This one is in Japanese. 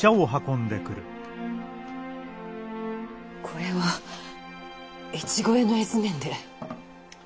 これは越後屋の絵図面で？